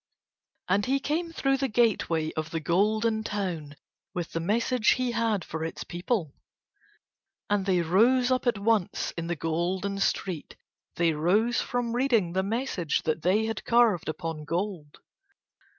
And he came through the gateway of the Golden Town with the message he had for its people. And they rose up at once in the Golden street, they rose from reading the message that they had carved upon gold.